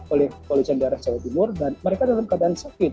oleh polisian daerah jawa timur dan mereka dalam keadaan sakit